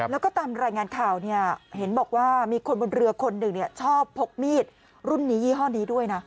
แล้วก็ตามรายงานข่าวเห็นบอกว่ามีคนบนเรือคนหนึ่งชอบพกมีดรุ่นนี้ยี่ห้อนี้ด้วยนะ